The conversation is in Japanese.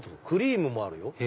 クリームもあるよ。